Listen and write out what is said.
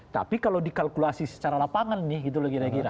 tapi kalau dikalkulasi secara lapangan nih gitu loh kira kira